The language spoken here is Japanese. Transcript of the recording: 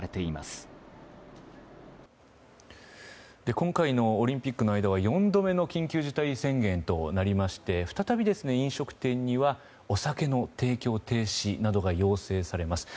今回のオリンピックの間は４度目の緊急事態宣言となりまして再び飲食店にはお酒の提供停止などが要請されます。